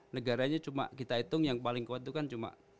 negaranya cuma kita hitung yang paling kuat itu kan cuma